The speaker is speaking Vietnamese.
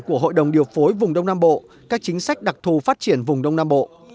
của hội đồng điều phối vùng đông nam bộ các chính sách đặc thù phát triển vùng đông nam bộ